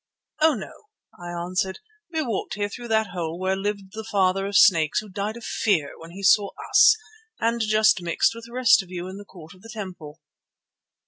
"Oh! no," I answered. "We walked here through that hole where lived the Father of Snakes who died of fear when he saw us, and just mixed with the rest of you in the court of the temple."